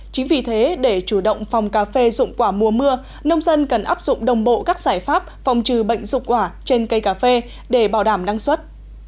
chính vì thế để chủ động phòng cà phê dụng quả mùa mưa nông dân cần áp dụng đồng bộ các giải pháp phòng trừ bệnh dụng quả trên cây cà phê để bảo đảm năng suất